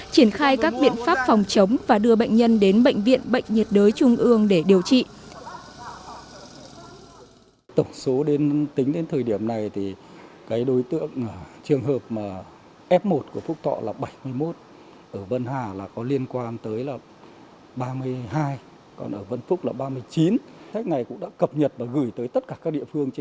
triển khai các biện pháp phòng chống và đưa bệnh nhân đến bệnh viện bệnh nhiệt đới trung ương để điều trị